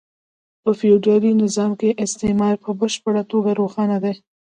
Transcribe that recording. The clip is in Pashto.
په فیوډالي نظام کې استثمار په بشپړه توګه روښانه دی